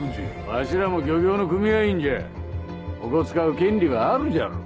わしらも漁協の組合員じゃここ使う権利はあるじゃろ。